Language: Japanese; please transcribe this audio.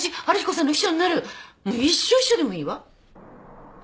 もう一生秘書でもいいわ！